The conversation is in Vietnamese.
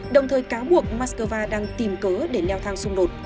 đồng thời cáo buộc mắc cơ va đang tìm cớ để leo thang xung đột